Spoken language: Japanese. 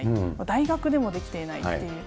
大学でもできていないっていう。